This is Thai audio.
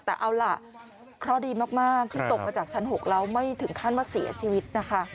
แต่เอาล่ะเคราะห์ดีมากที่ตกมาจากชั้น๖แล้วไม่ถึงขั้นว่าเสียชีวิตนะคะ